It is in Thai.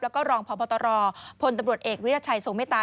แล้วก็รองพรพตรพลตำรวจเอกวิทยาชัยสมิตา